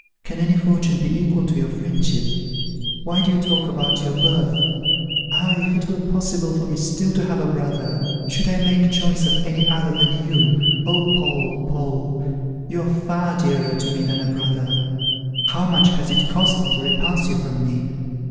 Can any fortune be equal to your friendship? Why do you talk about your birth? Ah! if it were possible for me still to have a brother, should I make choice of any other than you? Oh, Paul, Paul! you are far dearer to me than a brother! How much has it cost me to repulse you from me!